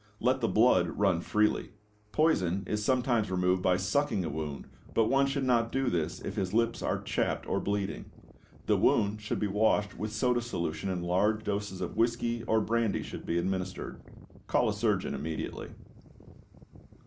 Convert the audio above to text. Let the blood run freely. Poison is sometimes removed by sucking a wound, but one should not do this if his lips are chapped or bleeding. The wound should be washed with soda solution and large doses of whisky or brandy should be administered. Call a surgeon immediately.